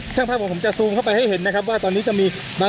ทางกลุ่มมวลชนทะลุฟ้าทางกลุ่มมวลชนทะลุฟ้า